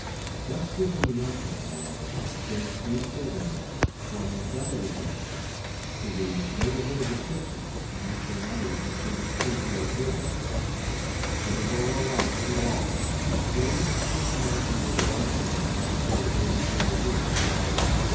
Just within the entrance, however, stood two serving men, pointing some of the guests to the neighborhood of the kitchen and ushering others into the statelier rooms,—hospitable alike to all, but still with a scrutinizing regard to the high or low degree of each.